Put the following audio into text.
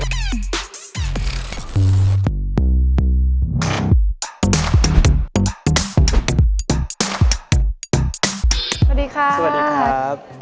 สวัสดีครับ